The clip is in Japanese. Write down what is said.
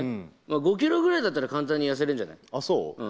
５ｋｇぐらいだったら簡単に痩せるんじゃない？